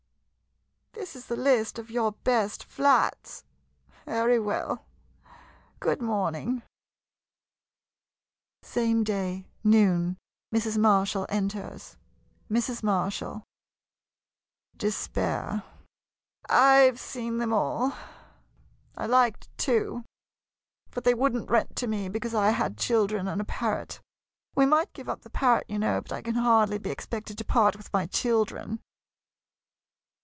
This is the list of your best flats? Very well — good morning. Same day — Noon. Mrs. Marshall enters. Mrs. Marshall [Despair.'] I 've seen them all. I liked two, but they would n't rent to me, because I had children and a parrot. We might give up the parrot, you know, but I can hardly be expected to part with my children!